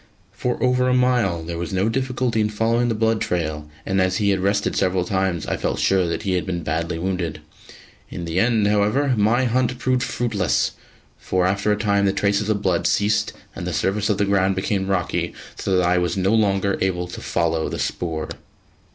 For over a mile there was no difficulty in following the blood trail, and as he had rested several times I felt sure that he had been badly wounded. In the end, however, my hunt proved fruitless, for after a time the traces of blood ceased and the surface of the ground became rocky, so that I was no longer able to follow the spoor.